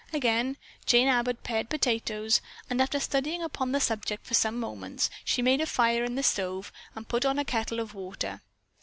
Again Jane Abbott pared potatoes and after studying upon the subject for some moments she made a fire in the stove and put on a kettle of water.